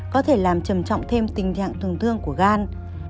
có thể làm trầm trọng thêm tình trạng thường thương của gan